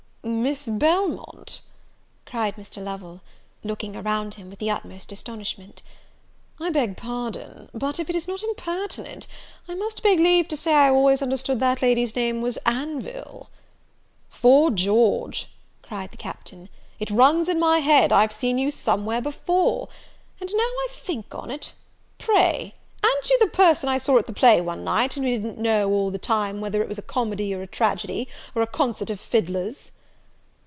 "Miss Belmont!" cried Mr. Lovel. Looking around him with the utmost astonishment: "I beg pardon; but, if it is not impertinent, I must beg leave to say I always understood that lady's name was Anville." "'Fore George," cried the Captain, "it runs in my head, I've seen you somewhere before! And now I think on't, pray a'n't you the person I saw at the play one night, and who didn't know, all the time, whether it was a tragedy or a comedy, or a concert of fiddlers?"